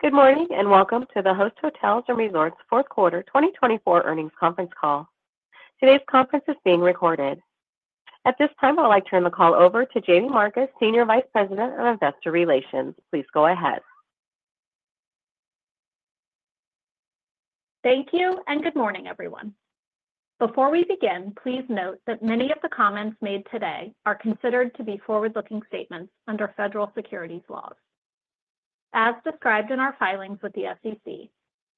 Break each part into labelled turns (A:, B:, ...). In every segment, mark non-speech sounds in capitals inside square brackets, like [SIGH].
A: Good morning and welcome to the Host Hotels & Resorts Fourth Quarter 2024 earnings conference call. Today's conference is being recorded. At this time, I'd like to turn the call over to Jaime Marcus, Senior Vice President of Investor Relations. Please go ahead.
B: Thank you and good morning, everyone. Before we begin, please note that many of the comments made today are considered to be forward-looking statements under federal securities laws. As described in our filings with the SEC,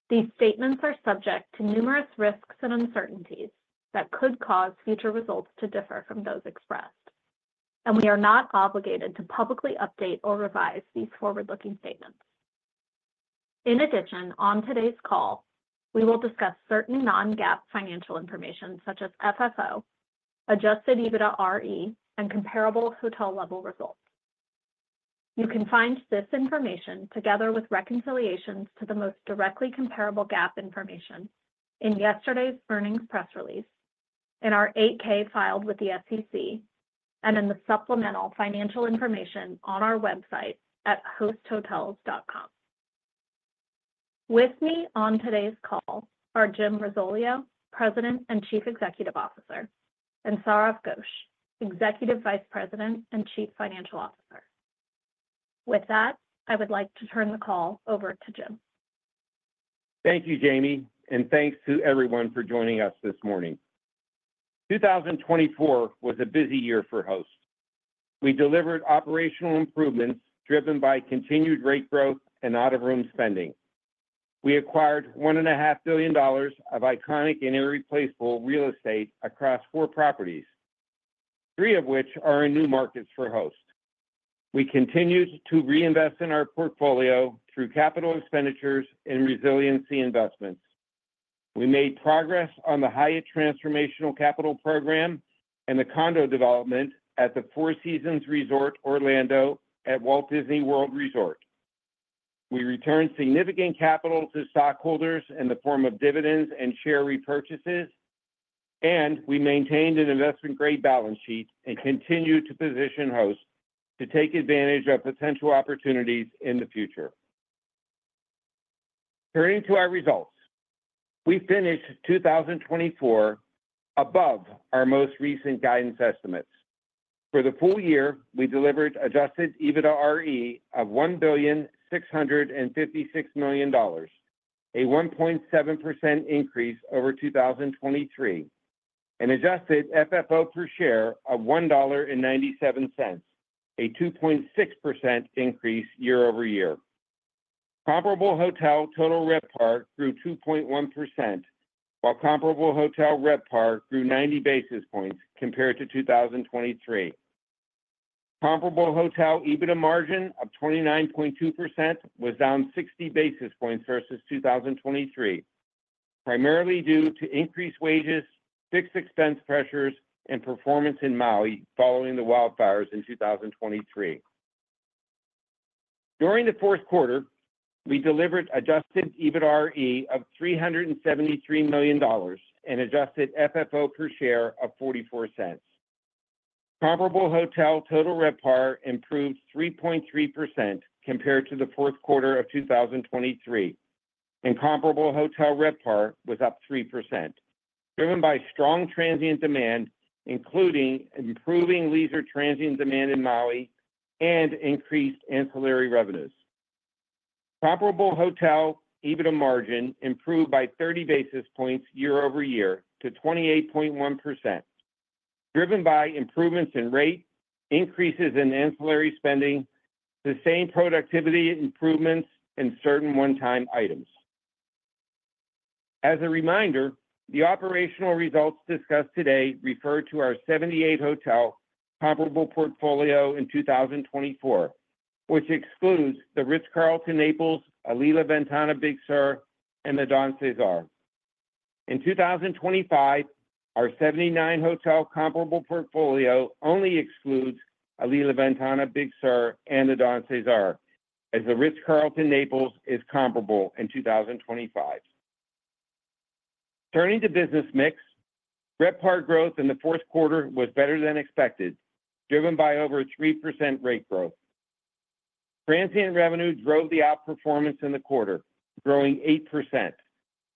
B: these statements are subject to numerous risks and uncertainties that could cause future results to differ from those expressed, and we are not obligated to publicly update or revise these forward-looking statements. In addition, on today's call, we will discuss certain non-GAAP financial information such as FFO, adjusted EBITDAre, and comparable hotel-level results. You can find this information together with reconciliations to the most directly comparable GAAP information in yesterday's earnings press release, in our 8-K filed with the SEC, and in the supplemental financial information on our website at hosthotels.com. With me on today's call are Jim Risoleo, President and Chief Executive Officer, and Sourav Ghosh, Executive Vice President and Chief Financial Officer. With that, I would like to turn the call over to Jim.
C: Thank you, Jaime, and thanks to everyone for joining us this morning. 2024 was a busy year for Host. We delivered operational improvements driven by continued rate growth and out-of-room spending. We acquired $1.5 billion of iconic and irreplaceable real estate across four properties, three of which are in new markets for Host. We continued to reinvest in our portfolio through capital expenditures and resiliency investments. We made progress on the Hyatt Transformational Capital Program and the condo development at the Four Seasons Resort Orlando at Walt Disney World Resort. We returned significant capital to stockholders in the form of dividends and share repurchases, and we maintained an investment-grade balance sheet and continued to position Host to take advantage of potential opportunities in the future. Turning to our results, we finished 2024 above our most recent guidance estimates. For the full year, we delivered adjusted EBITDAre of $1.656 billion, a 1.7% increase over 2023, an adjusted FFO per share of $1.97, a 2.6% increase year-over-year. Comparable Hotel total RevPAR grew 2.1%, while Comparable Hotel RevPAR grew 90 basis points compared to 2023. Comparable Hotel EBITDA margin of 29.2% was down 60 basis points versus 2023, primarily due to increased wages, fixed expense pressures, and performance in Maui following the wildfires in 2023. During the fourth quarter, we delivered adjusted EBITDAre of $373 million and adjusted FFO per share of $0.44. Comparable Hotel total RevPAR improved 3.3% compared to the fourth quarter of 2023, and Comparable Hotel RevPAR was up 3%, driven by strong transient demand, including improving leisure transient demand in Maui and increased ancillary revenues. Comparable Hotel EBITDA margin improved by 30 basis points year-over-year to 28.1%, driven by improvements in rate, increases in ancillary spending, sustained productivity improvements, and certain one-time items. As a reminder, the operational results discussed today refer to our 78 hotel comparable portfolio in 2024, which excludes the Ritz-Carlton Naples, Alila Ventana Big Sur, and the Don CeSar. In 2025, our 79 hotel comparable portfolio only excludes Alila Ventana Big Sur and the Don CeSar, as the Ritz-Carlton Naples is comparable in 2025. Turning to business mix, RevPAR growth in the fourth quarter was better than expected, driven by over 3% rate growth. Transient revenue drove the outperformance in the quarter, growing 8%,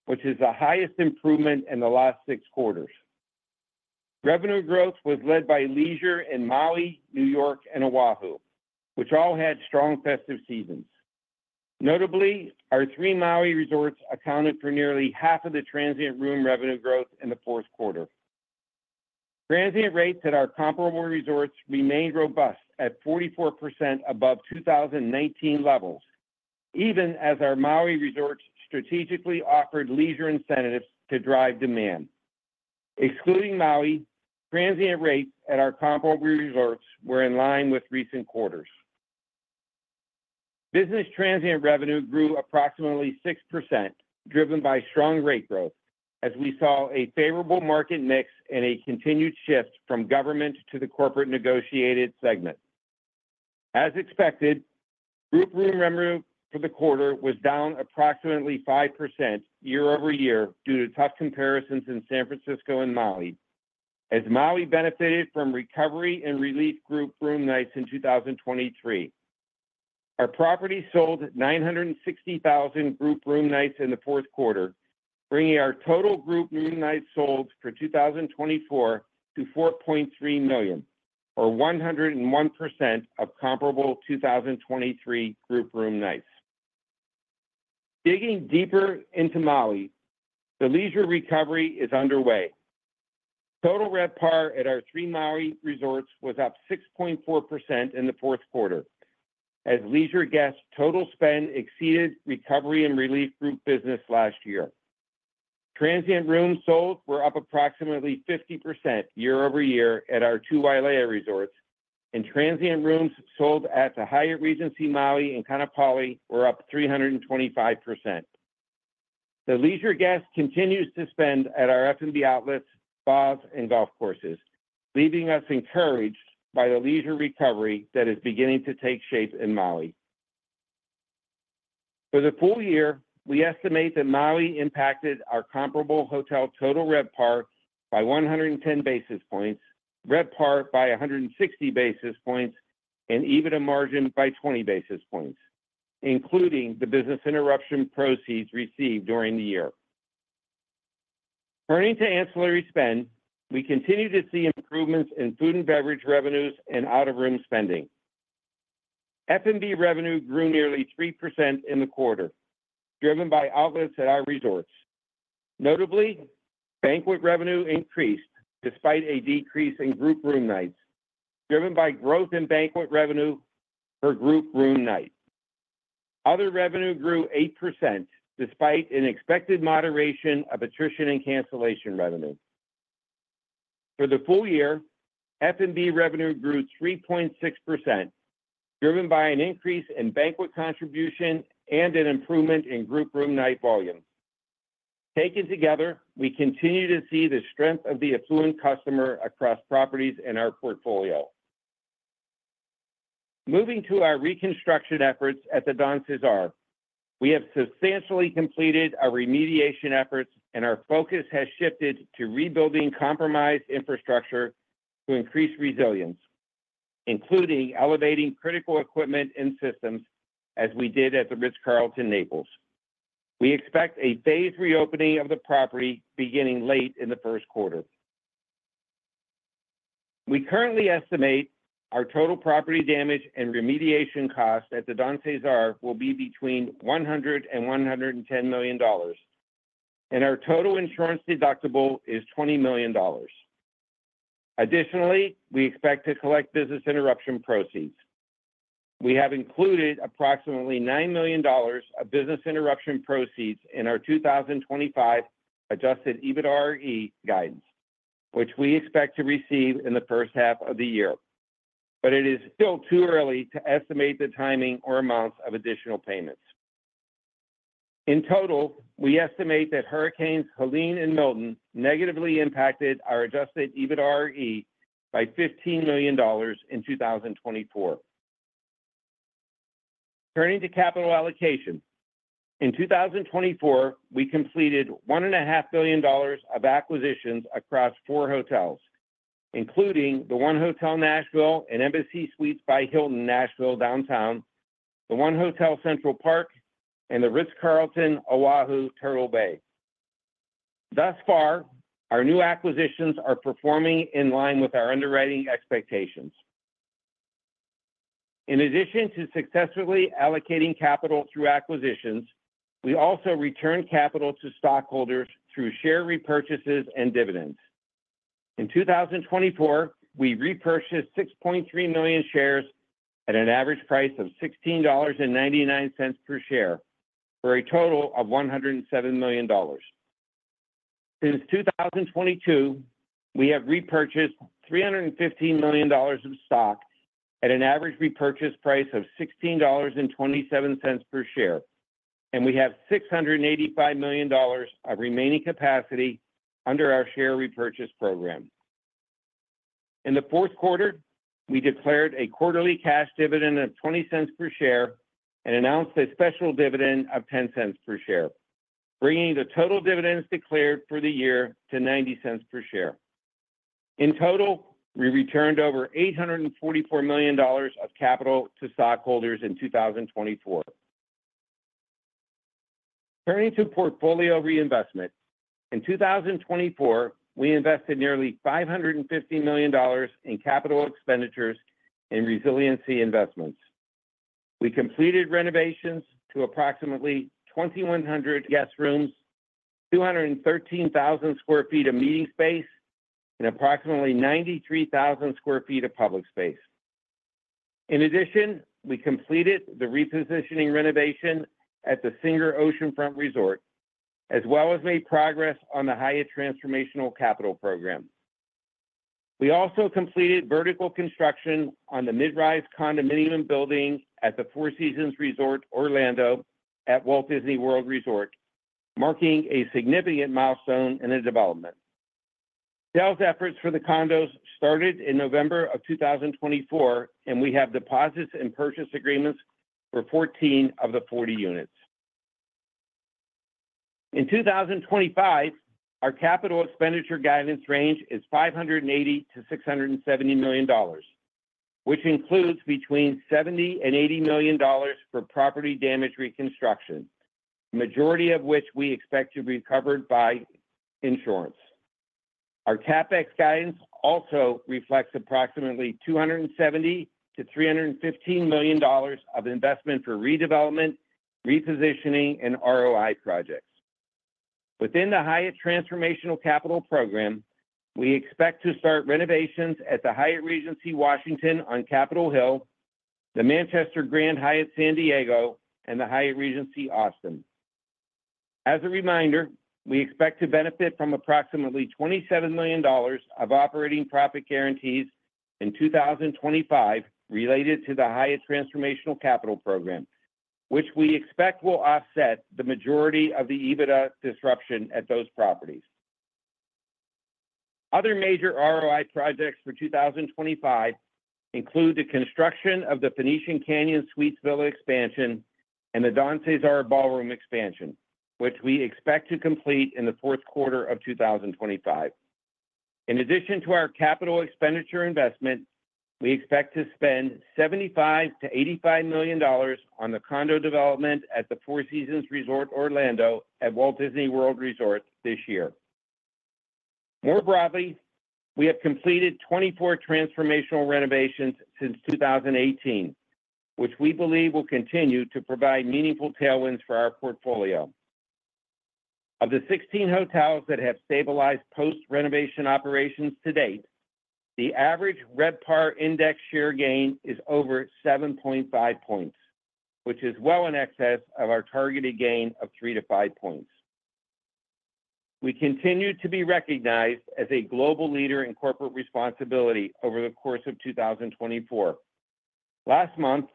C: which is the highest improvement in the last six quarters. Revenue growth was led by leisure in Maui, New York, and O'ahu, which all had strong festive seasons. Notably, our three Maui resorts accounted for nearly half of the transient room revenue growth in the fourth quarter. Transient rates at our comparable resorts remained robust at 44% above 2019 levels, even as our Maui resorts strategically offered leisure incentives to drive demand. Excluding Maui, transient rates at our comparable resorts were in line with recent quarters. Business transient revenue grew approximately 6%, driven by strong rate growth, as we saw a favorable market mix and a continued shift from government to the corporate negotiated segment. As expected, group room revenue for the quarter was down approximately 5% year-over-year due to tough comparisons in San Francisco and Maui, as Maui benefited from recovery and relief group room nights in 2023. Our property sold 960,000 group room nights in the fourth quarter, bringing our total group room nights sold for 2024 to $4.3 million, or 101% of comparable 2023 group room nights. Digging deeper into Maui, the leisure recovery is underway. Total RevPAR at our three Maui resorts was up 6.4% in the fourth quarter, as leisure guest total spend exceeded recovery and relief group business last year. Transient rooms sold were up approximately 50% year-over-year at our two Wailea resorts, and transient rooms sold at the Hyatt Regency Maui in Kaanapali were up 325%. The leisure guest continues to spend at our F&B outlets, bars, and golf courses, leaving us encouraged by the leisure recovery that is beginning to take shape in Maui. For the full year, we estimate that Maui impacted our comparable hotel total RevPAR by 110 basis points, RevPAR by 160 basis points, and EBITDA margin by 20 basis points, including the business interruption proceeds received during the year. Turning to ancillary spend, we continue to see improvements in food and beverage revenues and out-of-room spending. F&B revenue grew nearly 3% in the quarter, driven by outlets at our resorts. Notably, banquet revenue increased despite a decrease in group room nights, driven by growth in banquet revenue per group room night. Other revenue grew 8% despite an expected moderation of attrition and cancellation revenue. For the full year, F&B revenue grew 3.6%, driven by an increase in banquet contribution and an improvement in group room night volumes. Taken together, we continue to see the strength of the affluent customer across properties in our portfolio. Moving to our reconstruction efforts at the Don CeSar, we have substantially completed our remediation efforts, and our focus has shifted to rebuilding compromised infrastructure to increase resilience, including elevating critical equipment and systems as we did at the Ritz-Carlton Naples. We expect a phased reopening of the property beginning late in the first quarter. We currently estimate our total property damage and remediation cost at the Don CeSar will be between $100-$110 million, and our total insurance deductible is $20 million. Additionally, we expect to collect business interruption proceeds. We have included approximately $9 million of business interruption proceeds in our 2025 adjusted EBITDAre guidance, which we expect to receive in the first half of the year, but it is still too early to estimate the timing or amounts of additional payments. In total, we estimate that Hurricanes Helene and Milton negatively impacted our Adjusted EBITDAre by $15 million in 2024. Turning to capital allocation, in 2024, we completed $1.5 billion of acquisitions across four hotels, including the 1 Hotel Nashville and Embassy Suites by Hilton Nashville Downtown, the 1 Hotel Central Park, and the Ritz-Carlton O'ahu Turtle Bay. Thus far, our new acquisitions are performing in line with our underwriting expectations. In addition to successfully allocating capital through acquisitions, we also returned capital to stockholders through share repurchases and dividends. In 2024, we repurchased 6.3 million shares at an average price of $16.99 per share for a total of $107 million. Since 2022, we have repurchased $315 million of stock at an average repurchase price of $16.27 per share, and we have $685 million of remaining capacity under our share repurchase program. In the fourth quarter, we declared a quarterly cash dividend of $0.20 per share and announced a special dividend of $0.10 per share, bringing the total dividends declared for the year to $0.90 per share. In total, we returned over $844 million of capital to stockholders in 2024. Turning to portfolio reinvestment, in 2024, we invested nearly $550 million in capital expenditures and resiliency investments. We completed renovations to approximately 2,100 guest rooms, 213,000 sq ft of meeting space, and approximately 93,000 sq ft of public space. In addition, we completed the repositioning renovation at the Singer Oceanfront Resort, as well as made progress on the Hyatt Transformational Capital Program. We also completed vertical construction on the Midrise Condominium Building at the Four Seasons Resort Orlando at Walt Disney World Resort, marking a significant milestone in the development. Sales efforts for the condos started in November of 2024, and we have deposits and purchase agreements for 14 of the 40 units. In 2025, our capital expenditure guidance range is $580 to $670 million, which includes between $70 and $80 million for property damage reconstruction, the majority of which we expect to be covered by insurance. Our CapEx guidance also reflects approximately $270 to $315 million of investment for redevelopment, repositioning, and ROI projects. Within the Hyatt Transformational Capital Program, we expect to start renovations at the Hyatt Regency Washington on Capitol Hill, the Manchester Grand Hyatt San Diego, and the Hyatt Regency Austin. As a reminder, we expect to benefit from approximately $27 million of operating profit guarantees in 2025 related to the Hyatt Transformational Capital Program, which we expect will offset the majority of the EBITDA disruption at those properties. Other major ROI projects for 2025 include the construction of the Phoenician Canyon Villa Suites expansion and the Don CeSar Ballroom expansion, which we expect to complete in the fourth quarter of 2025. In addition to our capital expenditure investment, we expect to spend $75-$85 million on the condo development at the Four Seasons Resort Orlando at Walt Disney World Resort this year. More broadly, we have completed 24 transformational renovations since 2018, which we believe will continue to provide meaningful tailwinds for our portfolio. Of the 16 hotels that have stabilized post-renovation operations to date, the average RevPAR index share gain is over 7.5 points, which is well in excess of our targeted gain of 3-5 points. We continue to be recognized as a global leader in corporate responsibility over the course of 2024. Last month,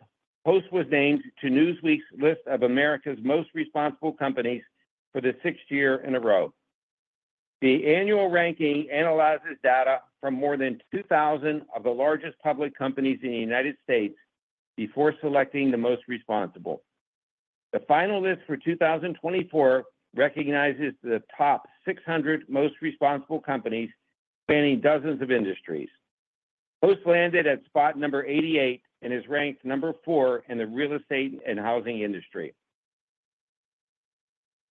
C: Host was named to Newsweek's list of America's Most Responsible Companies for the sixth year in a row. The annual ranking analyzes data from more than 2,000 of the largest public companies in the United States before selecting the most responsible. The final list for 2024 recognizes the top 600 most responsible companies spanning dozens of industries. Host landed at spot number 88 and is ranked number four in the real estate and housing industry.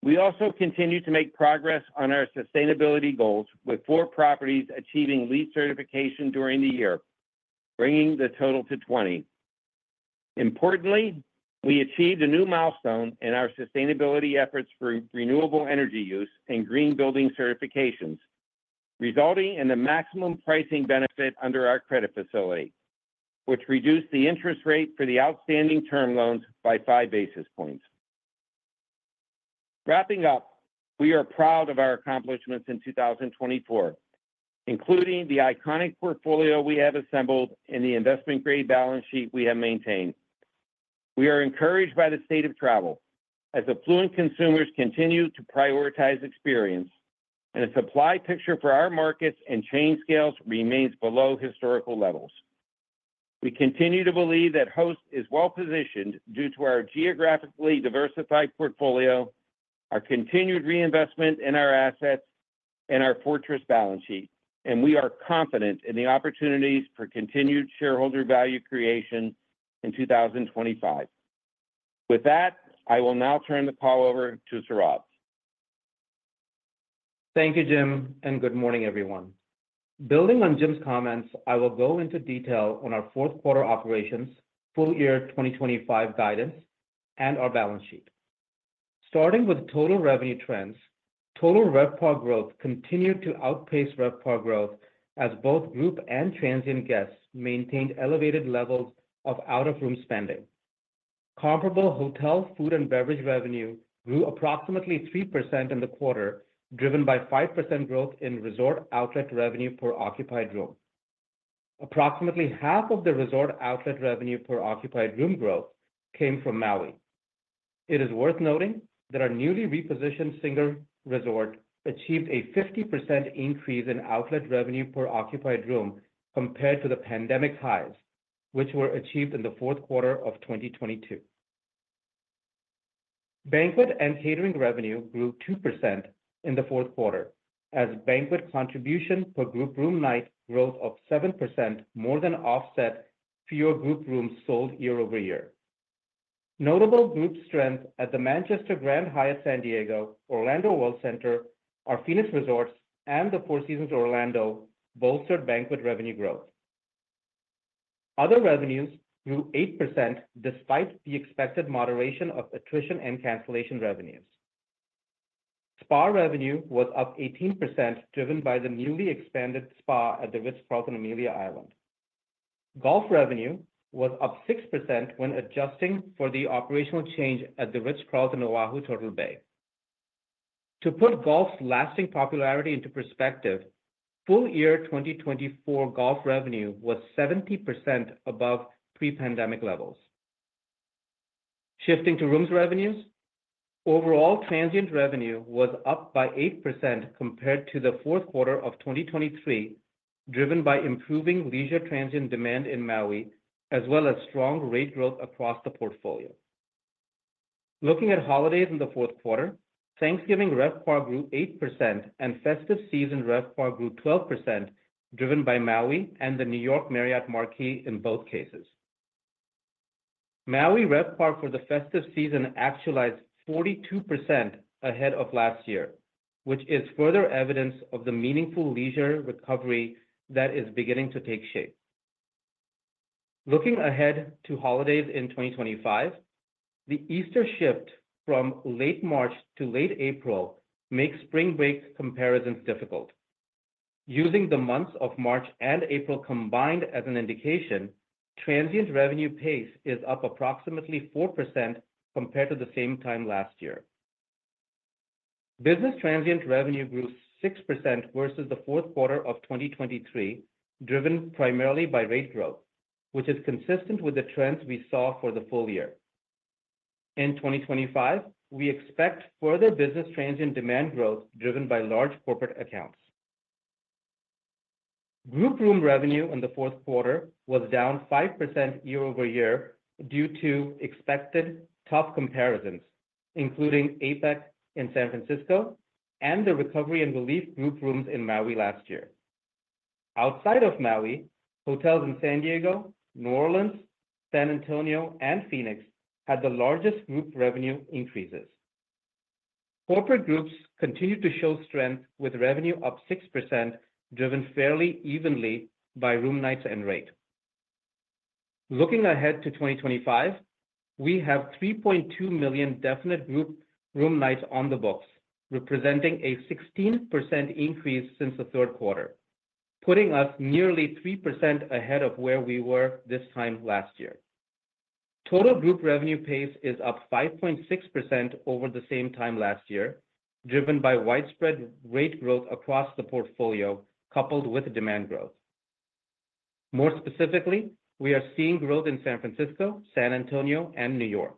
C: We also continue to make progress on our sustainability goals, with four properties achieving LEED certification during the year, bringing the total to 20. Importantly, we achieved a new milestone in our sustainability efforts for renewable energy use and green building certifications, resulting in the maximum pricing benefit under our credit facility, which reduced the interest rate for the outstanding term loans by 5 basis points. Wrapping up, we are proud of our accomplishments in 2024, including the iconic portfolio we have assembled and the investment-grade balance sheet we have maintained. We are encouraged by the state of travel, as affluent consumers continue to prioritize experience, and the supply picture for our markets and chain scales remains below historical levels. We continue to believe that Host is well positioned due to our geographically diversified portfolio, our continued reinvestment in our assets, and our fortress balance sheet, and we are confident in the opportunities for continued shareholder value creation in 2025. With that, I will now turn the call over to Sourav.
D: Thank you, Jim, and good morning, everyone. Building on Jim's comments, I will go into detail on our fourth quarter operations, full year 2025 guidance, and our balance sheet. Starting with total revenue trends, total RevPAR growth continued to outpace RevPAR growth as both group and transient guests maintained elevated levels of out-of-room spending. Comparable hotel food and beverage revenue grew approximately 3% in the quarter, driven by 5% growth in resort outlet revenue per occupied room. Approximately half of the resort outlet revenue per occupied room growth came from Maui. It is worth noting that our newly repositioned Singer Resort achieved a 50% increase in outlet revenue per occupied room compared to the pandemic highs, which were achieved in the fourth quarter of 2022. Banquet and catering revenue grew 2% in the fourth quarter, as banquet contribution per group room night growth of 7% more than offset fewer group rooms sold year-over-year. Notable group strength at the Manchester Grand Hyatt San Diego, Orlando World Center, our Phoenix Resorts, and the Four Seasons Orlando bolstered banquet revenue growth. Other revenues grew 8% despite the expected moderation of attrition and cancellation revenues. Spa revenue was up 18%, driven by the newly expanded spa at the Ritz-Carlton Amelia Island. Golf revenue was up 6% when adjusting for the operational change at the Ritz-Carlton O'ahu Turtle Bay. To put Golf's lasting popularity into perspective, full year 2024 Golf revenue was 70% above pre-pandemic levels. Shifting to rooms revenues, overall transient revenue was up by 8% compared to the fourth quarter of 2023, driven by improving leisure transient demand in Maui, as well as strong rate growth across the portfolio. Looking at holidays in the fourth quarter, Thanksgiving RevPAR grew 8% and festive season RevPAR grew 12%, driven by Maui and the New York Marriott Marquis in both cases. Maui RevPAR for the festive season actualized 42% ahead of last year, which is further evidence of the meaningful leisure recovery that is beginning to take shape. Looking ahead to holidays in 2025, the Easter shift from late March to late April makes spring break comparisons difficult. Using the months of March and April combined as an indication, transient revenue pace is up approximately 4% compared to the same time last year. Business transient revenue grew 6% versus the fourth quarter of 2023, driven primarily by rate growth, which is consistent with the trends we saw for the full year. In 2025, we expect further business transient demand growth driven by large corporate accounts. Group room revenue in the fourth quarter was down 5% year-over-year due to expected tough comparisons, including APEC in San Francisco and the recovery and relief group rooms in Maui last year. Outside of Maui, hotels in San Diego, New Orleans, San Antonio, and Phoenix had the largest group revenue increases. Corporate groups continued to show strength with revenue up 6%, driven fairly evenly by room nights and rate. Looking ahead to 2025, we have 3.2 million definite group room nights on the books, representing a 16% increase since the third quarter, putting us nearly 3% ahead of where we were this time last year. Total group revenue pace is up 5.6% over the same time last year, driven by widespread rate growth across the portfolio coupled with demand growth. More specifically, we are seeing growth in San Francisco, San Antonio, and New York.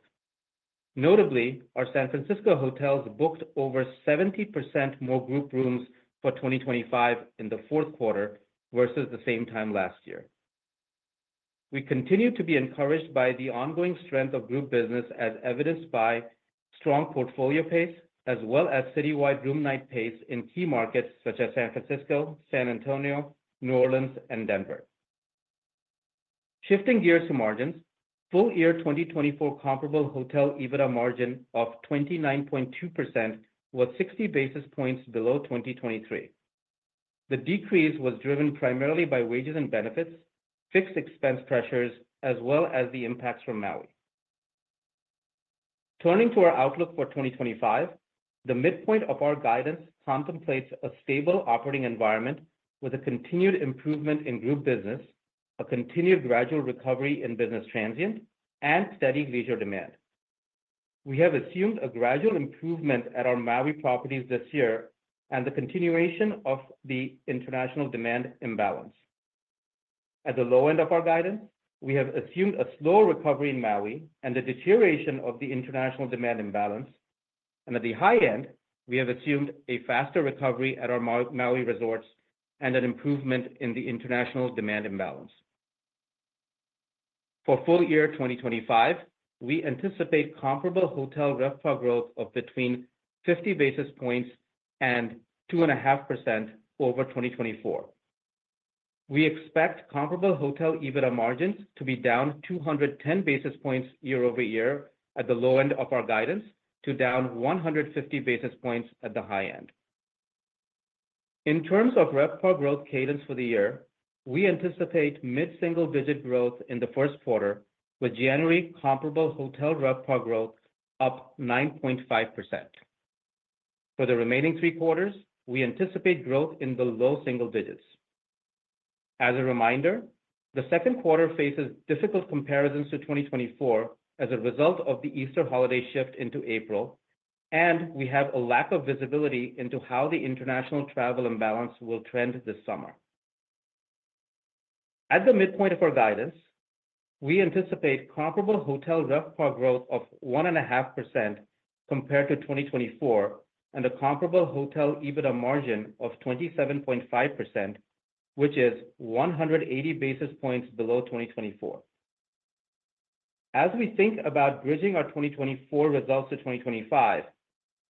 D: Notably, our San Francisco hotels booked over 70% more group rooms for 2025 in the fourth quarter versus the same time last year. We continue to be encouraged by the ongoing strength of group business, as evidenced by strong portfolio pace, as well as citywide room night pace in key markets such as San Francisco, San Antonio, New Orleans, and Denver. Shifting gears to margins, full year 2024 comparable hotel EBITDA margin of 29.2% was 60 basis points below 2023. The decrease was driven primarily by wages and benefits, fixed expense pressures, as well as the impacts from Maui. Turning to our outlook for 2025, the midpoint of our guidance contemplates a stable operating environment with a continued improvement in group business, a continued gradual recovery in business transient, and steady leisure demand. We have assumed a gradual improvement at our Maui properties this year and the continuation of the international demand imbalance. At the low end of our guidance, we have assumed a slow recovery in Maui and the deterioration of the international demand imbalance, and at the high end, we have assumed a faster recovery at our Maui resorts and an improvement in the international demand imbalance. For full year 2025, we anticipate comparable hotel RevPAR growth of between 50 basis points and 2.5% over 2024. We expect comparable hotel EBITDA margins to be down 210 basis points year-over-year at the low end of our guidance to down 150 basis points at the high end. In terms of RevPAR growth cadence for the year, we anticipate mid-single digit growth in the first quarter, with January comparable hotel RevPAR growth up 9.5%. For the remaining three quarters, we anticipate growth in the low single digits. As a reminder, the second quarter faces difficult comparisons to 2024 as a result of the Easter holiday shift into April, and we have a lack of visibility into how the international travel imbalance will trend this summer. At the midpoint of our guidance, we anticipate comparable hotel RevPAR growth of 1.5% compared to 2024 and a comparable hotel EBITDA margin of 27.5%, which is 180 basis points below 2024. As we think about bridging our 2024 results to 2025,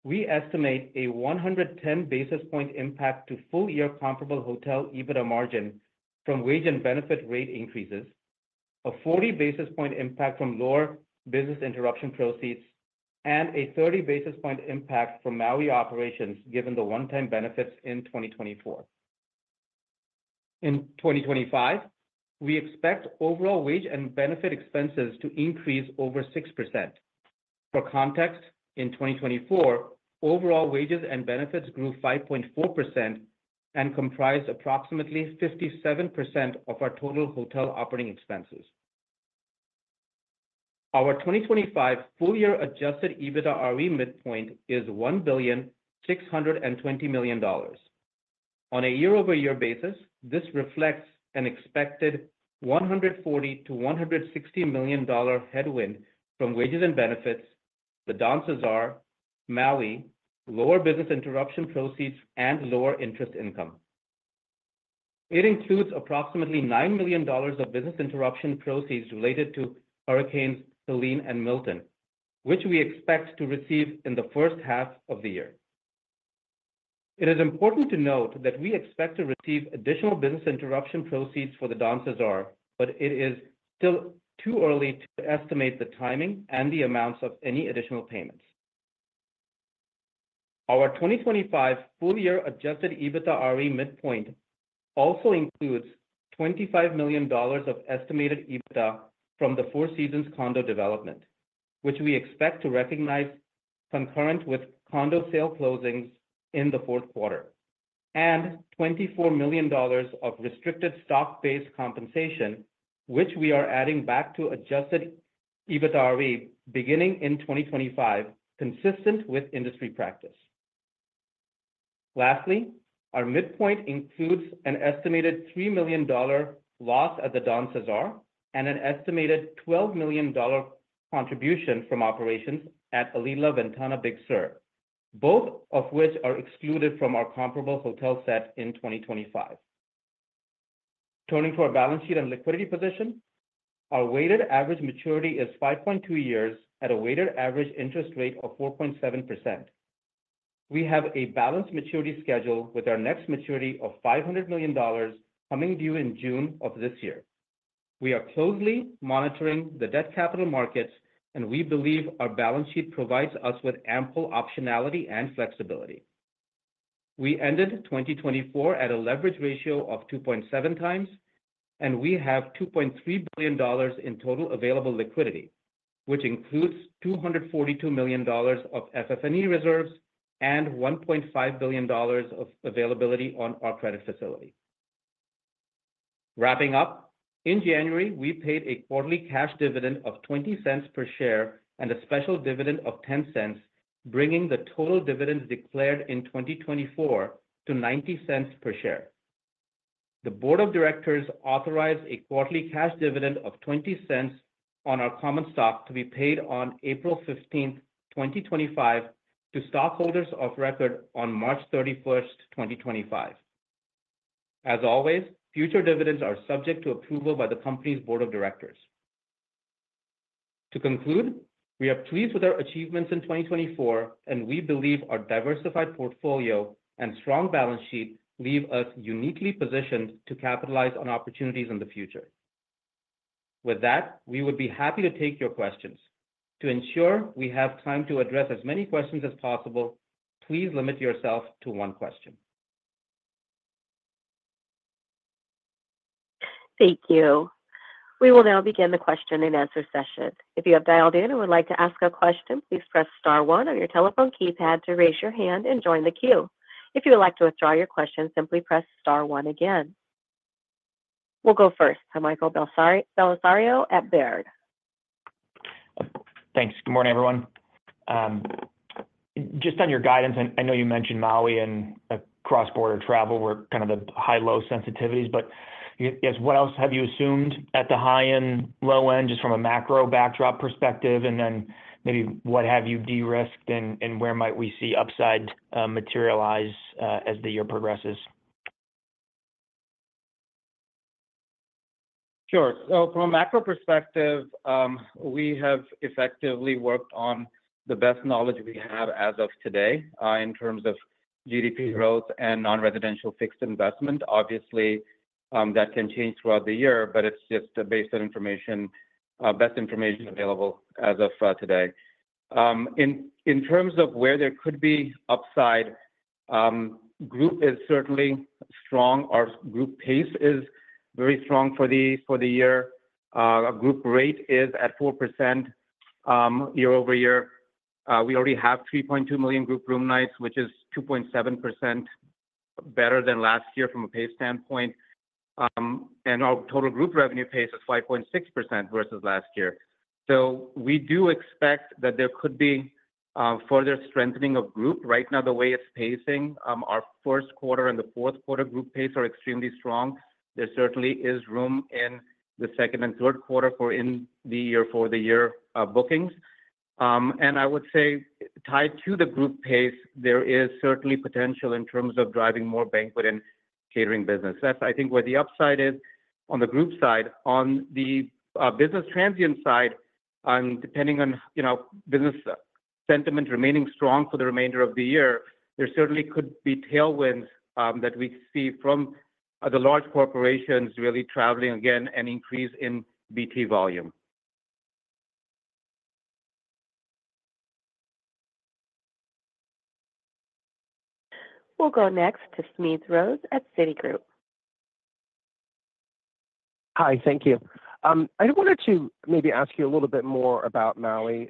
D: we estimate a 110 basis point impact to full year comparable hotel EBITDA margin from wage and benefit rate increases, a 40 basis point impact from lower business interruption proceeds, and a 30 basis point impact from Maui operations given the one-time benefits in 2024. In 2025, we expect overall wage and benefit expenses to increase over 6%. For context, in 2024, overall wages and benefits grew 5.4% and comprised approximately 57% of our total hotel operating expenses. Our 2025 full year Adjusted EBITDAre midpoint is $1.62 billion. On a year-over-year basis, this reflects an expected $140 to $160 million headwind from wages and benefits, the Don CeSar, Maui, lower business interruption proceeds, and lower interest income. It includes approximately $9 million of business interruption proceeds related to hurricanes Helene and Milton, which we expect to receive in the first half of the year. It is important to note that we expect to receive additional business interruption proceeds for the Don CeSar, but it is still too early to estimate the timing and the amounts of any additional payments. Our 2025 full year adjusted EBITDAre midpoint also includes $25 million of estimated EBITDA from the Four Seasons Condo Development, which we expect to recognize concurrent with condo sale closings in the fourth quarter, and $24 million of restricted stock-based compensation, which we are adding back to adjusted EBITDAre beginning in 2025, consistent with industry practice. Lastly, our midpoint includes an estimated $3 million loss at the Don CeSar, and an estimated $12 million contribution from operations at Alila Ventana Big Sur, both of which are excluded from our comparable hotel set in 2025. Turning to our balance sheet and liquidity position, our weighted average maturity is 5.2 years at a weighted average interest rate of 4.7%. We have a balanced maturity schedule with our next maturity of $500 million coming due in June of this year. We are closely monitoring the debt capital markets, and we believe our balance sheet provides us with ample optionality and flexibility. We ended 2024 at a leverage ratio of 2.7 times, and we have $2.3 billion in total available liquidity, which includes $242 million of FF&E reserves and $1.5 billion of availability on our credit facility. Wrapping up, in January, we paid a quarterly cash dividend of $0.20 per share and a special dividend of $0.10, bringing the total dividends declared in 2024 to $0.90 per share. The Board of Directors authorized a quarterly cash dividend of $0.20 on our common stock to be paid on April 15, 2025, to stockholders of record on March 31, 2025. As always, future dividends are subject to approval by the company's Board of Directors. To conclude, we are pleased with our achievements in 2024, and we believe our diversified portfolio and strong balance sheet leave us uniquely positioned to capitalize on opportunities in the future. With that, we would be happy to take your questions. To ensure we have time to address as many questions as possible, please limit yourself to one question.
A: Thank you. We will now begin the question and answer session. If you have dialed in and would like to ask a question, please press star one on your telephone keypad to raise your hand and join the queue. If you would like to withdraw your question, simply press star one again. We'll go first. Hi, Michael Bellisario at Baird.
E: Thanks. Good morning, everyone. Just on your guidance, I know you mentioned Maui and cross-border travel were kind of the high-low sensitivities, but yes, what else have you assumed at the high and low end just from a macro backdrop perspective? And then maybe what have you de-risked, and where might we see upside materialize as the year progresses?
C: Sure. So from a macro perspective, we have effectively worked on the best knowledge we have as of today in terms of GDP growth and non-residential fixed investment. Obviously, that can change throughout the year, but it's just based on information, best information available as of today. In terms of where there could be upside, group is certainly strong. Our group pace is very strong for the year. Our group rate is at 4% year-over-year. We already have 3.2 million group room nights, which is 2.7% better than last year from a pace standpoint. And our total group revenue pace is 5.6% versus last year. So we do expect that there could be further strengthening of group. Right now, the way it's pacing, our first quarter and the fourth quarter group pace are extremely strong. There certainly is room in the second and third quarter for in the year-for-the-year bookings. And I would say tied to the group pace, there is certainly potential in terms of driving more banquet and catering business. That's, I think, where the upside is on the group side. On the business transient side, depending on business sentiment remaining strong for the remainder of the year, there certainly could be tailwinds that we see from the large corporations really traveling again and increase in BT volume.
A: We'll go next to Smedes Rose at Citigroup.
F: Hi, thank you. I wanted to maybe ask you a little bit more about Maui.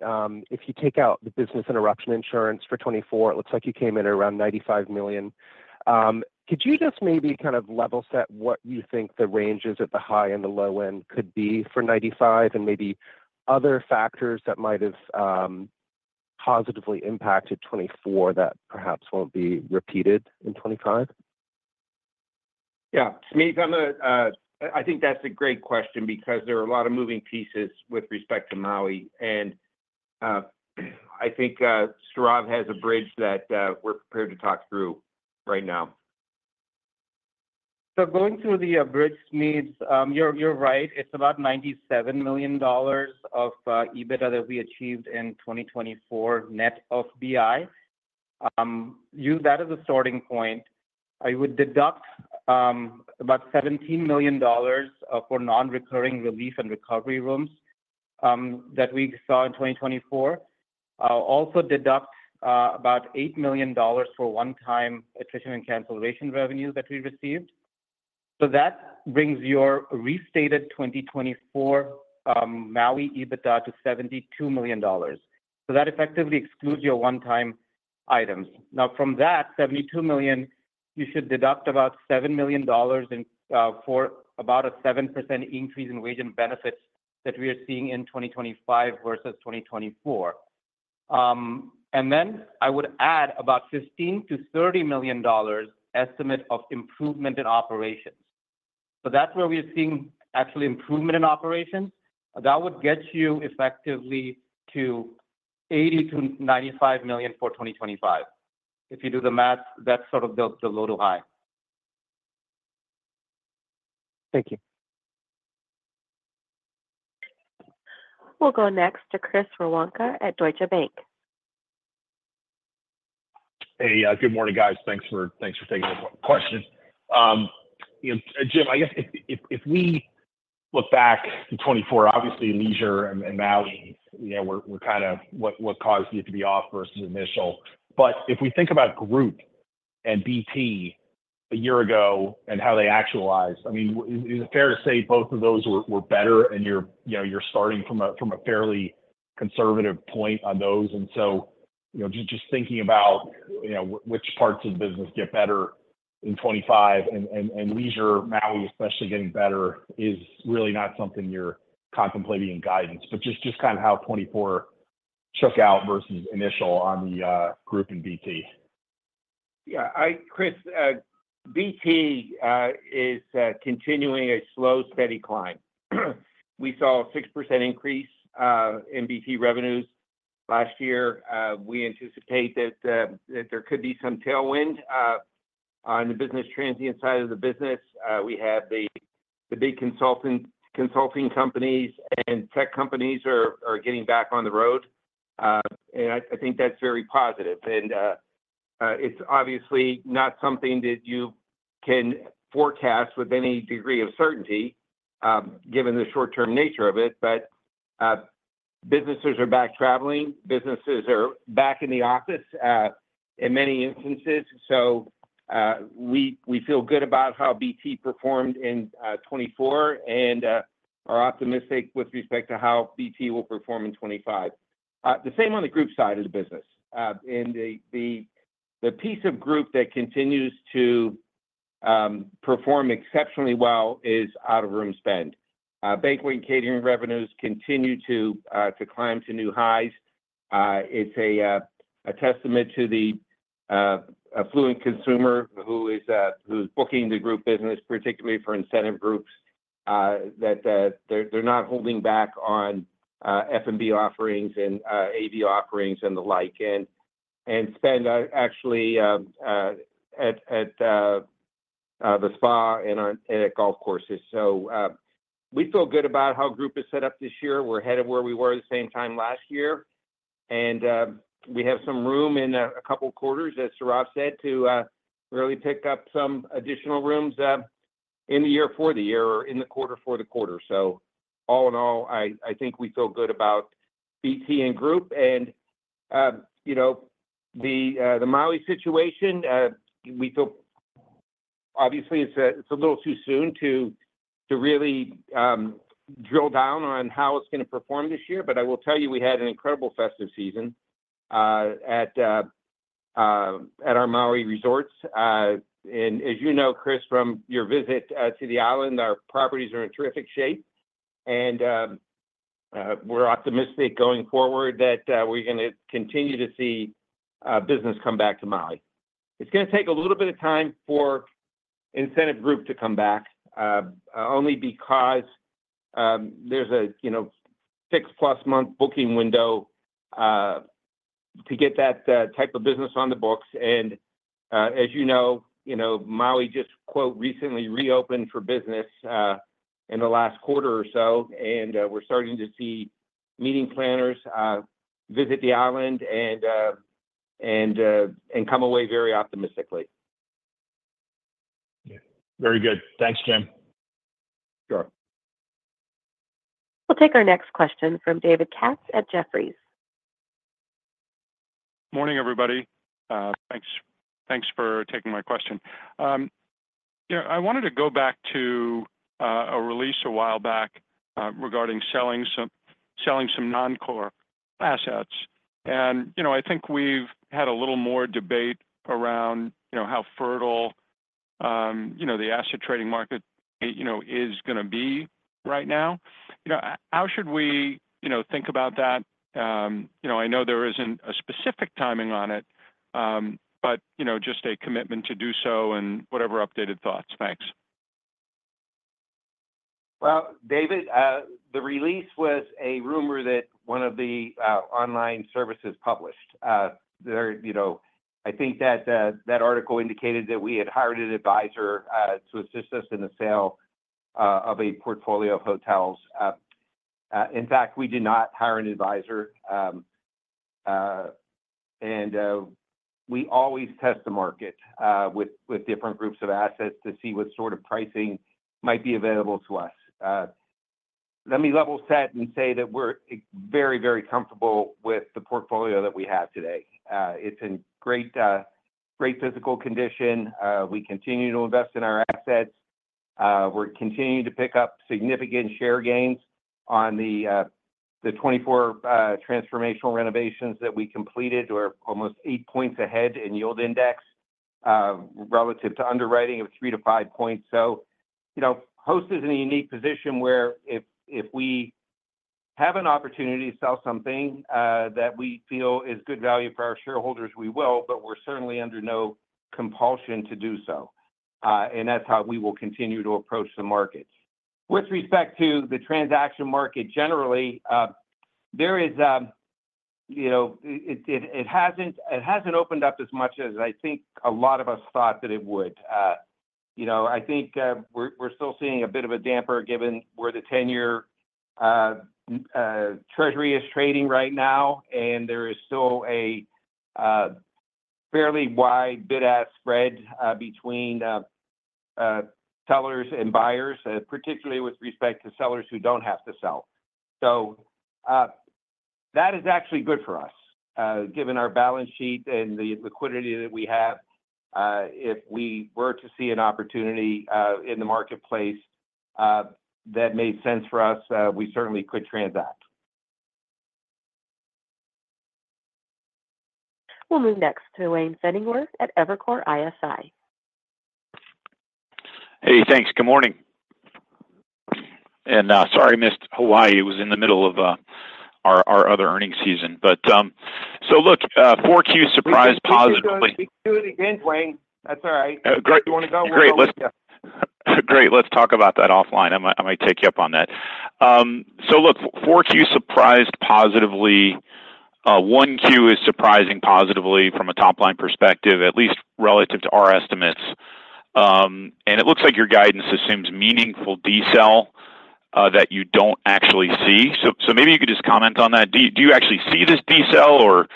F: If you take out the business interruption insurance for 2024, it looks like you came in at around $95 million. Could you just maybe kind of level set what you think the ranges at the high and the low end could be for 2025 and maybe other factors that might have positively impacted 2024 that perhaps won't be repeated in 2025?
C: Yeah. Smedes, I think that's a great question because there are a lot of moving pieces with respect to Maui. And I think Sourav has a bridge that we're prepared to talk through right now.
D: So going through the bridge, Smedes, you're right. It's about $97 million of EBITDA that we achieved in 2024 net of BI. Use that as a starting point. I would deduct about $17 million for non-recurring relief and recovery rooms that we saw in 2024. I'll also deduct about $8 million for one-time attrition and cancellation revenue that we received, so that brings your restated 2024 Maui EBITDA to $72 million, so that effectively excludes your one-time items. Now, from that $72 million, you should deduct about $7 million for about a 7% increase in wage and benefits that we are seeing in 2025 versus 2024, and then I would add about $15 to $30 million estimate of improvement in operations, so that's where we're seeing actually improvement in operations. That would get you effectively to $80 to $95 million for 2025. If you do the math, that's sort of the low to high.
F: Thank you.
A: We'll go next to Chris Woronka at Deutsche Bank.
G: Hey, good morning, guys. Thanks for taking the question. Jim, I guess if we look back to 2024, obviously leisure and Maui, we're kind of what caused you to be off versus initial. But if we think about group and BT a year ago and how they actualized, I mean, is it fair to say both of those were better and you're starting from a fairly conservative point on those? And so just thinking about which parts of the business get better in 2025 and leisure, Maui especially getting better is really not something you're contemplating in guidance, but just kind of how 2024 shook out versus initial on the group and BT.
C: Yeah. Chris, BT is continuing a slow, steady climb. We saw a 6% increase in BT revenues last year. We anticipate that there could be some tailwind on the business transient side of the business. We have the big consulting companies and tech companies are getting back on the road. And I think that's very positive. And it's obviously not something that you can forecast with any degree of certainty given the short-term nature of it, but businesses are back traveling. Businesses are back in the office in many instances. So we feel good about how BT performed in 2024 and are optimistic with respect to how BT will perform in 2025. The same on the group side of the business. And the piece of group that continues to perform exceptionally well is out-of-room spend. Banquet and catering revenues continue to climb to new highs. It's a testament to the affluent consumer who is booking the group business, particularly for incentive groups, that they're not holding back on F&B offerings and AV offerings and the like, and spend actually at the spa and at golf courses. So we feel good about how group is set up this year. We're ahead of where we were at the same time last year. And we have some room in a couple of quarters, as Sourav said, to really pick up some additional rooms in the year for the year or in the quarter for the quarter. So all in all, I think we feel good about BT and group. And the Maui situation, we feel obviously it's a little too soon to really drill down on how it's going to perform this year, but I will tell you we had an incredible festive season at our Maui resorts. As you know, Chris, from your visit to the island, our properties are in terrific shape. We're optimistic going forward that we're going to continue to see business come back to Maui. It's going to take a little bit of time for incentive group to come back only because there's a six-plus month booking window to get that type of business on the books. As you know, Maui just, quote, recently reopened for business in the last quarter or so, and we're starting to see meeting planners visit the island and come away very optimistically.
G: Very good. Thanks, Jim.
C: Sure.
A: We'll take our next question from David Katz at Jefferies.
H: Morning, everybody. Thanks for taking my question. I wanted to go back to a release a while back regarding selling some non-core assets. I think we've had a little more debate around how fertile the asset trading market is going to be right now. How should we think about that? I know there isn't a specific timing on it, but just a commitment to do so and whatever updated thoughts. Thanks.
C: David, the release was a rumor that one of the online services published. I think that that article indicated that we had hired an advisor to assist us in the sale of a portfolio of hotels. In fact, we did not hire an advisor. And we always test the market with different groups of assets to see what sort of pricing might be available to us. Let me level set and say that we're very, very comfortable with the portfolio that we have today. It's in great physical condition. We continue to invest in our assets. We're continuing to pick up significant share gains on the '24 transformational renovations that we completed. We're almost eight points ahead in yield index relative to underwriting of three to five points. So Host is in a unique position where if we have an opportunity to sell something that we feel is good value for our shareholders, we will, but we're certainly under no compulsion to do so. And that's how we will continue to approach the markets. With respect to the transaction market generally, there is, it hasn't opened up as much as I think a lot of us thought that it would. I think we're still seeing a bit of a damper given where the 10-year Treasury is trading right now, and there is still a fairly wide bid-ask spread between sellers and buyers, particularly with respect to sellers who don't have to sell. That is actually good for us. Given our balance sheet and the liquidity that we have, if we were to see an opportunity in the marketplace that made sense for us, we certainly could transact.
A: We'll move next to Duane Pfennigwerth at Evercore ISI.
I: Hey, thanks. Good morning. And sorry I missed Hawaii. It was in the middle of our other earnings season. But so look, Q4 surprised positively. [CROSSTALK] We can do it again, Duane. That's all right. Great. You want to go? Great. Let's talk about that offline. I might take you up on that. So look, Q4 surprised positively. Q1 is surprising positively from a top-line perspective, at least relative to our estimates. And it looks like your guidance assumes meaningful decel that you don't actually see. So maybe you could just comment on that. Do you actually see this de-sell,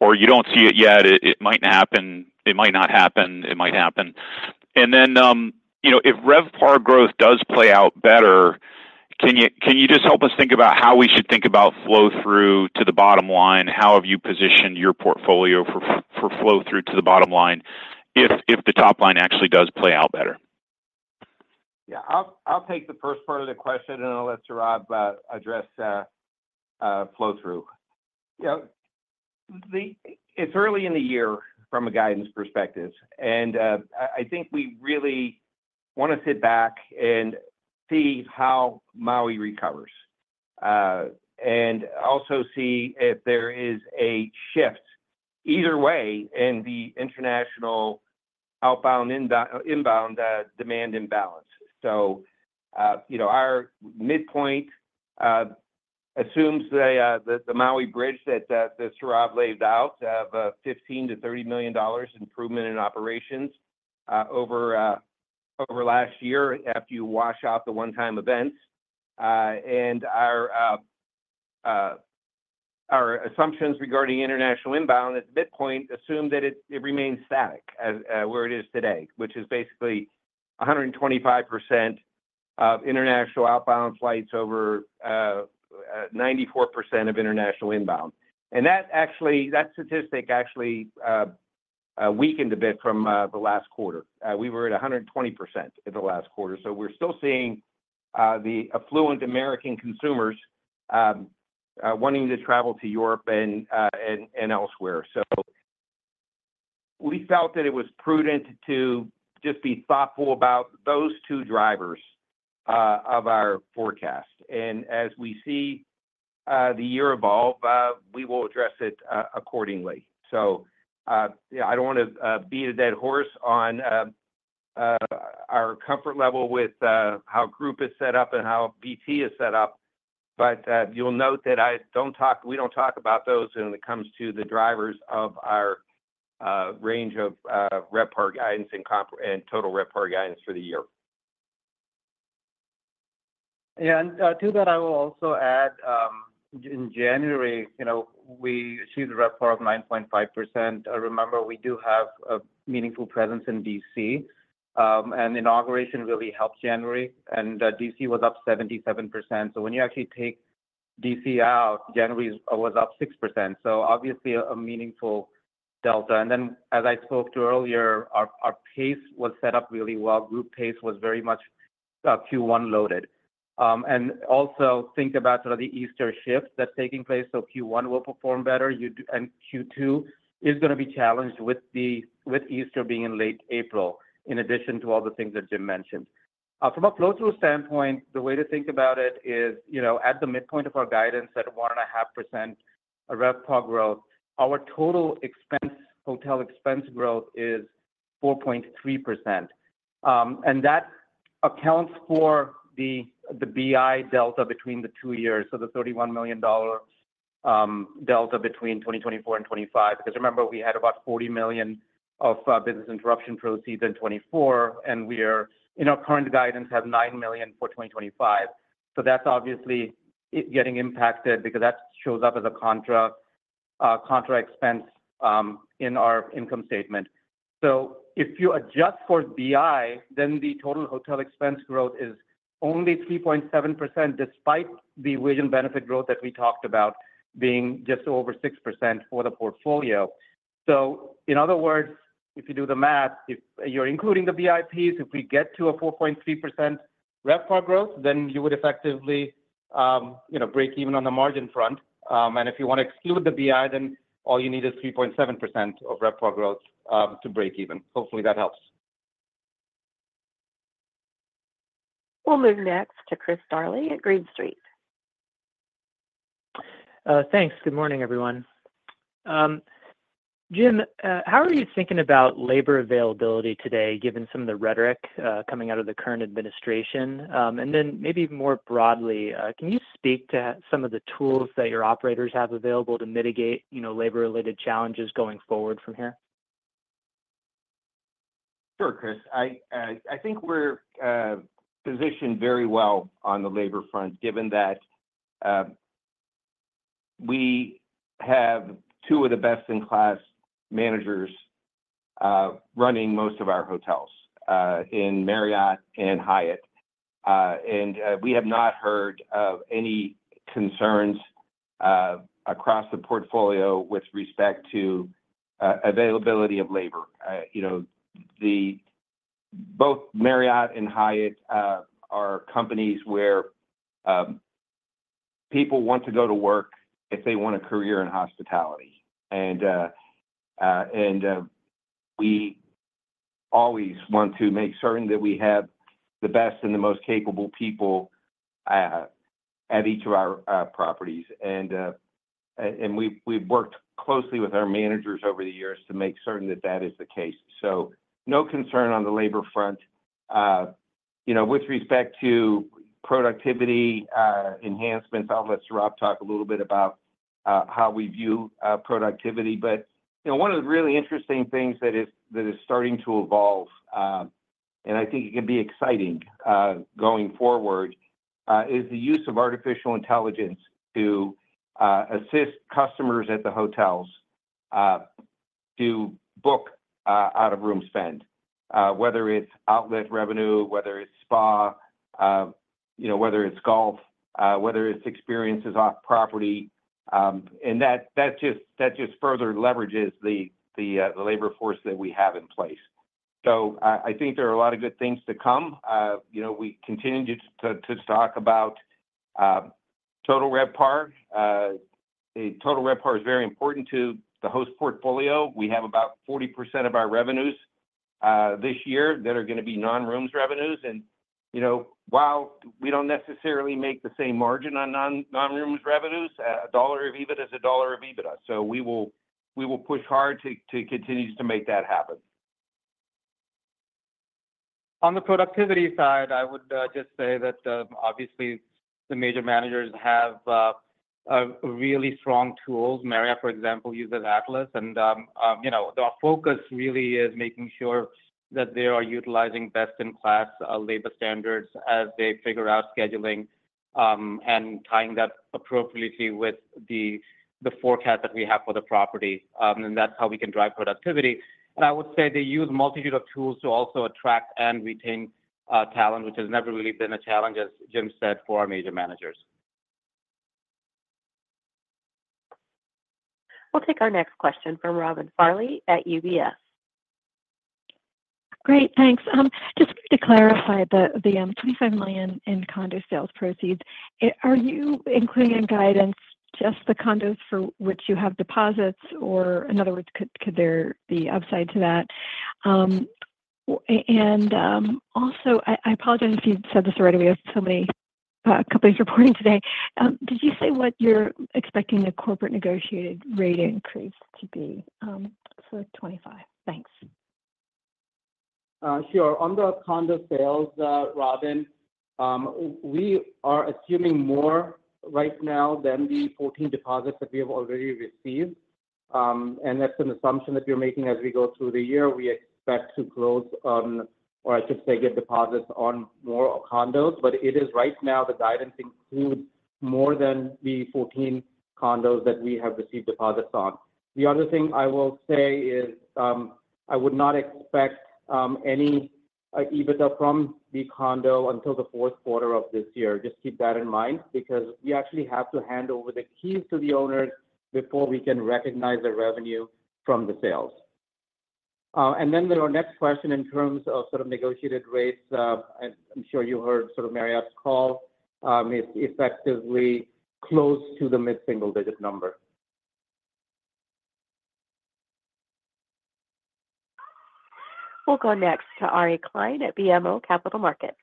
I: or you don't see it yet? It might not happen. It might not happen. It might happen, and then if RevPAR growth does play out better, can you just help us think about how we should think about flow-through to the bottom line? How have you positioned your portfolio for flow-through to the bottom line if the top line actually does play out better?
C: Yeah. I'll take the first part of the question and then let Sourav address flow-through. It's early in the year from a guidance perspective, and I think we really want to sit back and see how Maui recovers and also see if there is a shift either way in the international outbound inbound demand imbalance. Our midpoint assumes the Maui bridge that Sourav laid out of $15 to $30 million improvement in operations over last year after you wash out the one-time events. Our assumptions regarding international inbound at the midpoint assume that it remains static where it is today, which is basically 125% of international outbound flights over 94% of international inbound. And that statistic actually weakened a bit from the last quarter. We were at 120% in the last quarter. So we're still seeing the affluent American consumers wanting to travel to Europe and elsewhere. So we felt that it was prudent to just be thoughtful about those two drivers of our forecast. And as we see the year evolve, we will address it accordingly. So I don't want to beat a dead horse on our comfort level with how group is set up and how BT is set up, but you'll note that we don't talk about those when it comes to the drivers of our range of RevPAR guidance and total RevPAR guidance for the year.
D: And to that, I will also add in January, we achieved a RevPAR of 9.5%. Remember, we do have a meaningful presence in DC. And inauguration really helped January. And DC was up 77%. So when you actually take DC out, January was up 6%. So obviously a meaningful delta. And then as I spoke to earlier, our pace was set up really well. Group pace was very much Q1 loaded. And also think about sort of the Easter shift that's taking place. So Q1 will perform better. Q2 is going to be challenged with Easter being in late April, in addition to all the things that Jim mentioned. From a flow-through standpoint, the way to think about it is at the midpoint of our guidance at 1.5% RevPAR growth, our total hotel expense growth is 4.3%. That accounts for the BI delta between the two years, so the $31 million delta between 2024 and 2025. Because remember, we had about $40 million of business interruption proceeds in 2024, and we are, in our current guidance, have $9 million for 2025. That's obviously getting impacted because that shows up as a contra expense in our income statement. If you adjust for BI, then the total hotel expense growth is only 3.7% despite the wage and benefit growth that we talked about being just over 6% for the portfolio. So in other words, if you do the math, if you're including the BI piece, if we get to a 4.3% RevPAR growth, then you would effectively break even on the margin front. And if you want to exclude the BI, then all you need is 3.7% of RevPAR growth to break even. Hopefully, that helps.
A: We'll move next to Chris Darling at Green Street.
J: Thanks. Good morning, everyone. Jim, how are you thinking about labor availability today given some of the rhetoric coming out of the current administration? And then maybe more broadly, can you speak to some of the tools that your operators have available to mitigate labor-related challenges going forward from here?
C: Sure, Chris. I think we're positioned very well on the labor front given that we have two of the best-in-class managers running most of our hotels in Marriott and Hyatt. We have not heard of any concerns across the portfolio with respect to availability of labor. Both Marriott and Hyatt are companies where people want to go to work if they want a career in hospitality. And we always want to make certain that we have the best and the most capable people at each of our properties. And we've worked closely with our managers over the years to make certain that that is the case. So no concern on the labor front. With respect to productivity enhancements, I'll let Sourav talk a little bit about how we view productivity. But one of the really interesting things that is starting to evolve, and I think it can be exciting going forward, is the use of artificial intelligence to assist customers at the hotels to book out-of-room spend, whether it's outlet revenue, whether it's spa, whether it's golf, whether it's experiences off property. And that just further leverages the labor force that we have in place. So I think there are a lot of good things to come. We continue to talk about total RevPAR. Total RevPAR is very important to the Host portfolio. We have about 40% of our revenues this year that are going to be non-rooms revenues. And while we don't necessarily make the same margin on non-rooms revenues, a dollar of EBITDA is a dollar of EBITDA. So we will push hard to continue to make that happen.
D: On the productivity side, I would just say that obviously the major managers have really strong tools. Marriott, for example, uses Atlas. Our focus really is making sure that they are utilizing best-in-class labor standards as they figure out scheduling and tying that appropriately with the forecast that we have for the property. That's how we can drive productivity. They use a multitude of tools to also attract and retain talent, which has never really been a challenge, as Jim said, for our major managers.
A: We'll take our next question from Robin Farley at UBS.
K: Great. Thanks. Just to clarify the $25 million in condo sales proceeds, are you including in guidance just the condos for which you have deposits, or in other words, could there be upside to that? And also, I apologize if you said this already. We have so many companies reporting today. Did you say what you're expecting the corporate negotiated rate increase to be? So 25. Thanks.
D: Sure. On the condo sales, Robin, we are assuming more right now than the 14 deposits that we have already received. And that's an assumption that you're making as we go through the year. We expect to close, or I should say, get deposits on more condos. But it is right now the guidance includes more than the 14 condos that we have received deposits on. The other thing I will say is I would not expect any EBITDA from the condo until the fourth quarter of this year. Just keep that in mind because we actually have to hand over the keys to the owners before we can recognize the revenue from the sales. And then our next question in terms of sort of negotiated rates, I'm sure you heard sort of Marriott's call, is effectively close to the mid-single-digit number.
A: We'll go next to Ari Klein at BMO Capital Markets.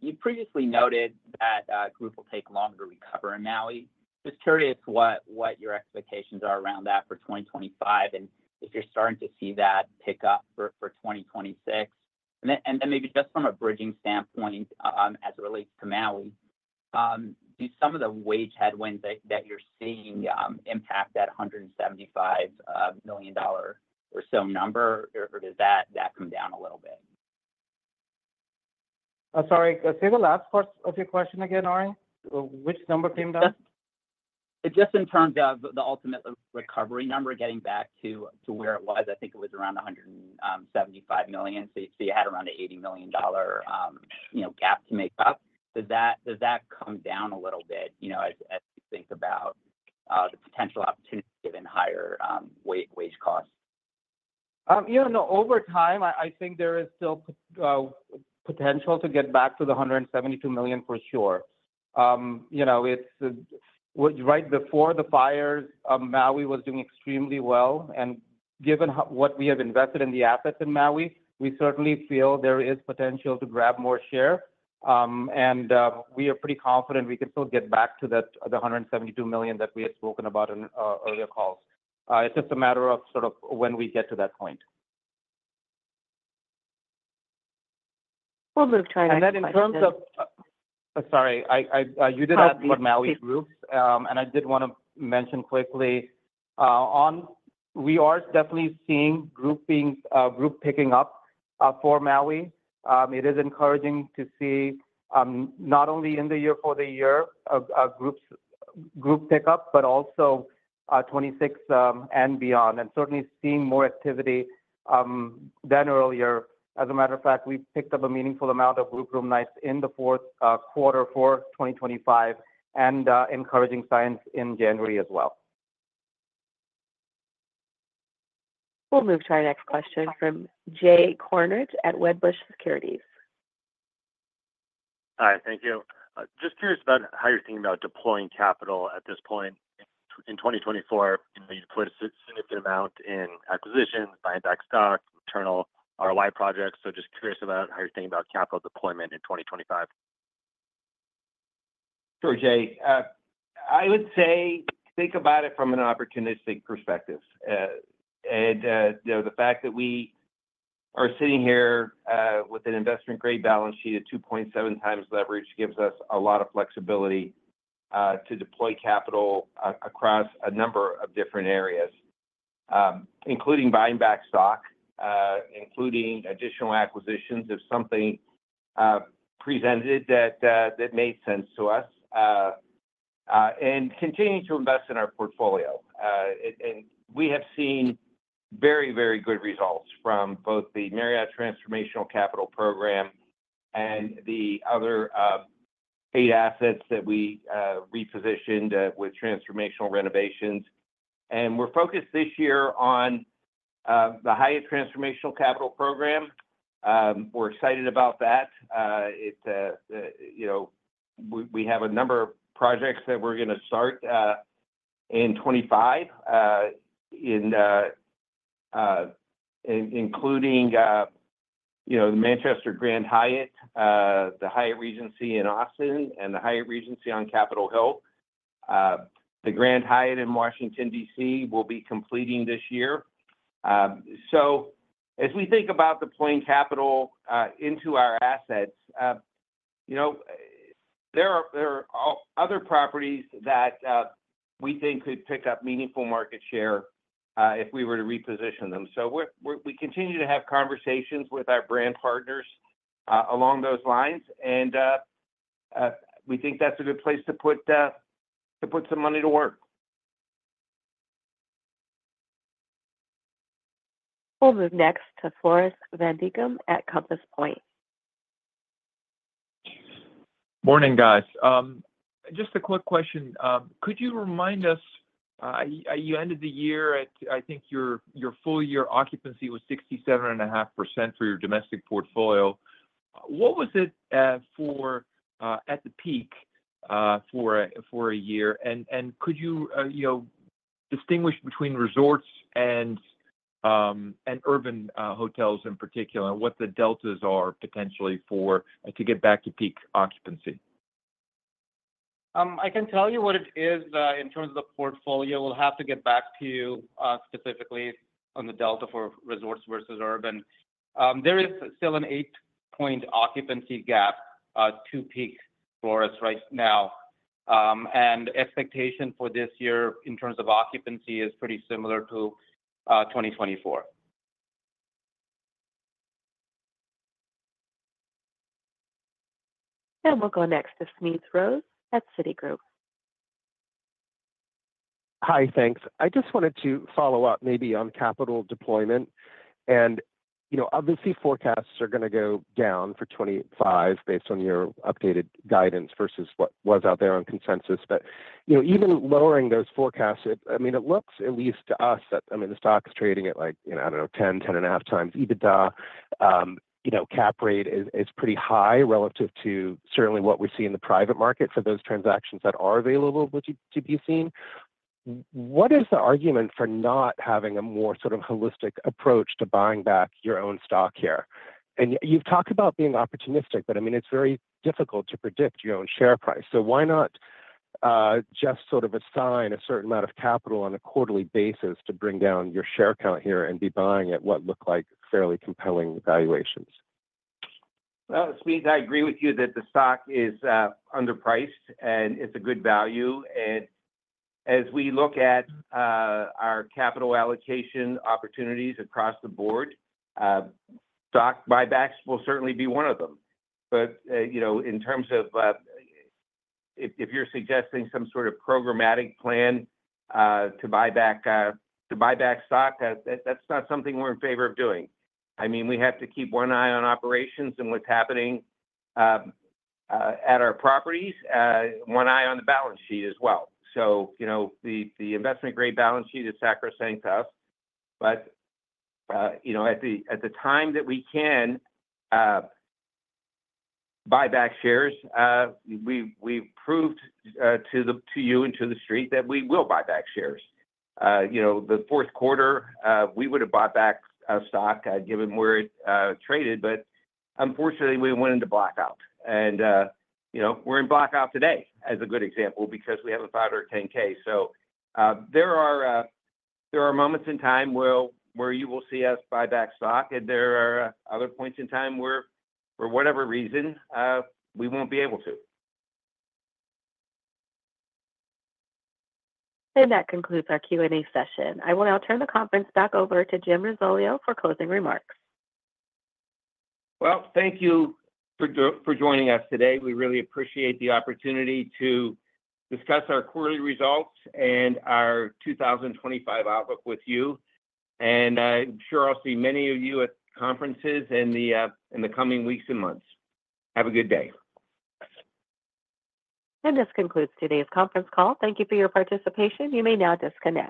L: You previously noted that group will take longer to recover. And now I'm just curious what your expectations are around that for 2025 and if you're starting to see that pick up for 2026. And then maybe just from a bridging standpoint as it relates to Maui, do some of the wage headwinds that you're seeing impact that $175 million or so number, or does that come down a little bit?
D: Sorry, say the last part of your question again, Ari. Which number came down?
L: Just in terms of the ultimate recovery number, getting back to where it was, I think it was around $175 million. So you had around an $80 million gap to make up. Does that come down a little bit as you think about the potential opportunity given higher wage costs?
D: Yeah. No, over time, I think there is still potential to get back to the $172 million for sure. Right before the fires, Maui was doing extremely well. And given what we have invested in the assets in Maui, we certainly feel there is potential to grab more share. And we are pretty confident we can still get back to the $172 million that we had spoken about in earlier calls. It's just a matter of sort of when we get to that point. [CROSSTALK] We'll move to our next question. And then in terms of, sorry, you did ask about Maui groups. And I did want to mention quickly, we are definitely seeing groups picking up for Maui. It is encouraging to see not only year-over-year group pickup, but also 2026 and beyond, and certainly seeing more activity than earlier. As a matter of fact, we picked up a meaningful amount of group room nights in the fourth quarter for 2025 and encouraging signs in January as well.
A: We'll move to our next question from Jay Kornreich at Wedbush Securities.
M: Hi. Thank you. Just curious about how you're thinking about deploying capital at this point in 2024. You deployed a significant amount in acquisitions, buying back stock, internal ROI projects. So just curious about how you're thinking about capital deployment in 2025.
C: Sure, Jay. I would say think about it from an opportunistic perspective. And the fact that we are sitting here with an investment-grade balance sheet at 2.7 times leverage gives us a lot of flexibility to deploy capital across a number of different areas, including buying back stock, including additional acquisitions if something presented that made sense to us, and continuing to invest in our portfolio. And we have seen very, very good results from both the Marriott Transformational Capital Program and the other eight assets that we repositioned with transformational renovations. And we're focused this year on the Hyatt Transformational Capital Program. We're excited about that. We have a number of projects that we're going to start in 2025, including the Manchester Grand Hyatt, the Hyatt Regency in Austin, and the Hyatt Regency on Capitol Hill. The Hyatt Regency in Washington, D.C., will be completing this year. So as we think about deploying capital into our assets, there are other properties that we think could pick up meaningful market share if we were to reposition them. So we continue to have conversations with our brand partners along those lines. And we think that's a good place to put some money to work.
A: We'll move next to Floris van Dijkum at Compass Point.
N: Morning, guys. Just a quick question. Could you remind us? You ended the year at, I think, your full-year occupancy was 67.5% for your domestic portfolio. What was it at the peak for a year? And could you distinguish between resorts and urban hotels in particular, and what the deltas are potentially for to get back to peak occupancy?
D: I can tell you what it is in terms of the portfolio. We'll have to get back to you specifically on the delta for resorts versus urban. There is still an eight-point occupancy gap to peak for us right now, and expectation for this year in terms of occupancy is pretty similar to 2024.
A: And we'll go next to Smedes Rose at Citigroup.
F: Hi, thanks. I just wanted to follow up maybe on capital deployment, and obviously, forecasts are going to go down for 2025 based on your updated guidance versus what was out there on consensus. But even lowering those forecasts, I mean, it looks at least to us that, I mean, the stock's trading at, I don't know, 10, 10 and a half times EBITDA. Cap rate is pretty high relative to certainly what we're seeing in the private market for those transactions that are available to be seen. What is the argument for not having a more sort of holistic approach to buying back your own stock here? And you've talked about being opportunistic, but I mean, it's very difficult to predict your own share price. So why not just sort of assign a certain amount of capital on a quarterly basis to bring down your share count here and be buying at what look like fairly compelling valuations?
C: Well, Smedes, I agree with you that the stock is underpriced and it's a good value. And as we look at our capital allocation opportunities across the board, stock buybacks will certainly be one of them. But in terms of if you're suggesting some sort of programmatic plan to buy back stock, that's not something we're in favor of doing. I mean, we have to keep one eye on operations and what's happening at our properties, one eye on the balance sheet as well. So the investment-grade balance sheet is sacrosanct to us. But at the time that we can buy back shares, we've proved to you and to the Street that we will buy back shares. The fourth quarter, we would have bought back stock given where it traded. But unfortunately, we went into blackout. And we're in blackout today, as a good example, because we have about our 10-K. So there are moments in time where you will see us buy back stock, and there are other points in time where, for whatever reason, we won't be able to.
A: And that concludes our Q&A session. I will now turn the conference back over to Jim Risoleo for closing remarks.
C: Well, thank you for joining us today. We really appreciate the opportunity to discuss our quarterly results and our 2025 outlook with you. And I'm sure I'll see many of you at conferences in the coming weeks and months. Have a good day.
A: And this concludes today's conference call. Thank you for your participation. You may now disconnect.